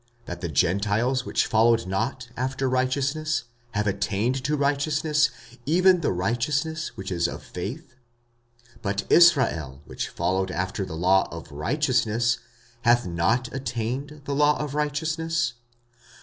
That the Gentiles, which followed not after righteousness, have attained to righteousness, even the righteousness which is of faith. 45:009:031 But Israel, which followed after the law of righteousness, hath not attained to the law of righteousness.